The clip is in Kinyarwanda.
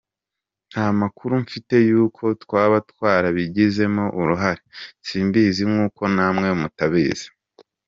Nta makuru mfite y’uko twaba twarabigizemo uruhare, simbizi nk’uko namwe mutabizi.